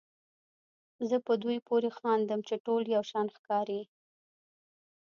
زه په دوی پورې خاندم چې ټول یو شان ښکاري.